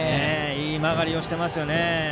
いい曲がりをしていますね。